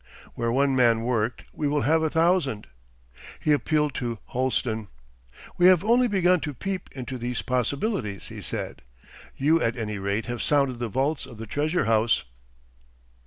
'Where one man worked we will have a thousand.' He appealed to Holsten. 'We have only begun to peep into these possibilities,' he said. 'You at any rate have sounded the vaults of the treasure house.